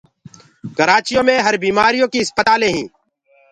ڪرآچيو مي هر بيمآريو ڪيٚ آسپتآلينٚ هينٚ